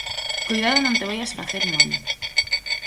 Coidado non te vaias facer mal